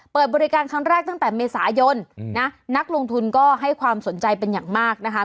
เปิดบริการครั้งแรกตั้งแต่เมษายนนะนักลงทุนก็ให้ความสนใจเป็นอย่างมากนะคะ